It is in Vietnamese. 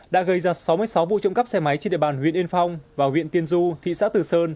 đã gây ra sáu mươi sáu vụ trộm cắp xe máy trên địa bàn huyện yên phong và huyện tiên du thị xã tử sơn